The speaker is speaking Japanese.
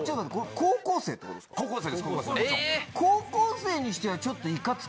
・高校生です・高校生にしてはちょっと。